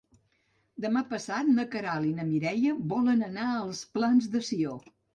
Demà passat na Queralt i na Mireia volen anar als Plans de Sió.